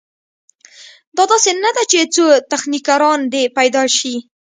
دا داسې نه ده چې څو تخنیکران دې پیدا شي.